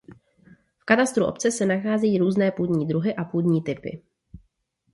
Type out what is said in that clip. V katastru obce se nacházejí různé půdní druhy a půdní typy.